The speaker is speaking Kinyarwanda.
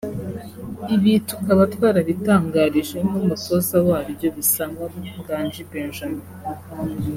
Ibi tukaba twarabitangarije n’umutoza waryo Bisangwa Nganji Benjamin